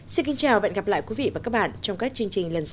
xin kính chào và hẹn gặp lại quý vị và các bạn trong các chương trình lần sau